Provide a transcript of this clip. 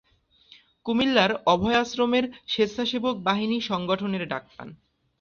কুমিল্লার অভয় আশ্রমের স্বেচ্ছাসেবক বাহিনী সংগঠনের ডাক পান।